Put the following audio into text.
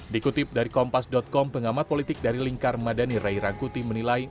dikutip dari kompas com pengamat politik dari lingkar madani ray rangkuti menilai